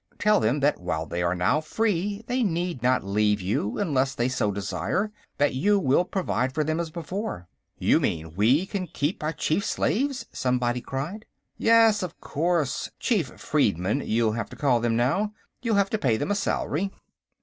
"Tell them that while they are now free, they need not leave you unless they so desire; that you will provide for them as before." "You mean, we can keep our chief slaves?" somebody cried. "Yes, of course chief freedmen, you'll have to call them, now. You'll have to pay them a salary...."